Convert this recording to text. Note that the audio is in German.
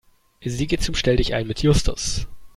Sie geht zum Stelldichein mit Justus.